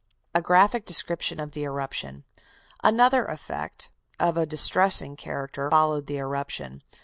A GRAPHIC DESCRIPTION OF THE ERUPTION Another effect, of a distressing character, followed the eruption.